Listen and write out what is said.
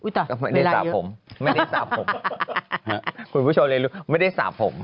แต่ไม่ได้สาวผม